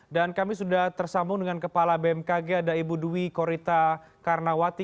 kami sudah tersambung dengan kepala bmkg ada ibu dwi korita karnawati